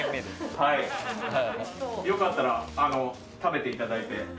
良かったら食べていただいて。